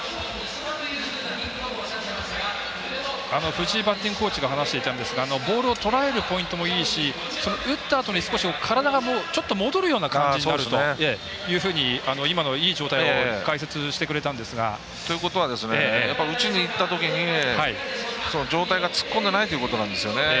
藤井バッティングコーチが話していたんですがボールをとらえるポイントもいいし打ったあとに少し体が戻るような感じになるというふうに今のいい状態を解説してくれたんですが。ということは打ちにいったときに上体が突っ込んでいないということなんですね。